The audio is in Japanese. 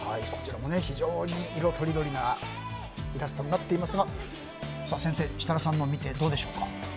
こちらも非常に色とりどりなイラストになっていますが先生、設楽さんのを見てどうでしょうか。